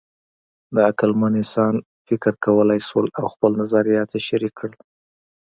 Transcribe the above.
د عقلمن انسانان فکر کولی شول او خپل نظریات یې شریک کړل.